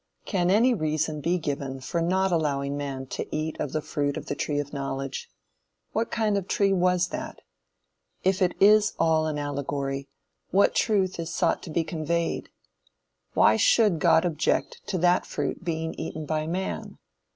Can any reason be given for not allowing man to eat of the fruit of the tree of knowledge? What kind of tree was that? If it is all an allegory, what truth is sought to be conveyed? Why should God object to that fruit being eaten by man?